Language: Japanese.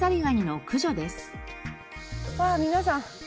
わあ皆さん。